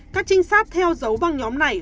các trinh sát theo dấu băng nhóm này